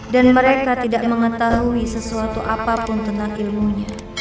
dan mereka tidak mengetahui sesuatu apapun tentang ilmunya